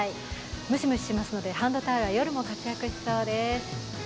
ムシムシしますのでハンドタオルは夜も活躍しそうです。